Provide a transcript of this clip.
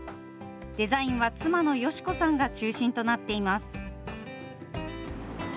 デザインは妻の佳子さんが中心となっています。